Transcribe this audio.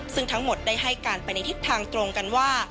ซึ่งทั้งหมดได้ให้การไปในทิศทางตรงกันว่า